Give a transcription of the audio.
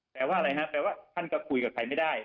แปลว่าอะไรฮะแปลว่าท่านก็คุยกับใครไม่ได้